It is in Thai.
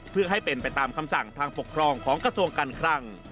เพื่อให้เป็นไปตามคำสั่งทางปกครองของกระทรวงการคลัง